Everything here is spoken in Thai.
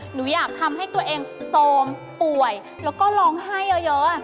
หนูอยากทำให้ตัวเองโซมป่วยแล้วก็ร้องไห้เยอะ